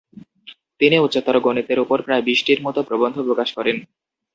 তিনি উচ্চতর গণিতের ওপর প্রায় বিশটির মতো প্রবন্ধ প্রকাশ করেন।